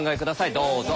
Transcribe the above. どうぞ。